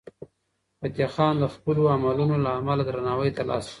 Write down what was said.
فتح خان د خپلو عملونو له امله درناوی ترلاسه کړ.